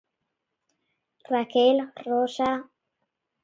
Raquel Rosa...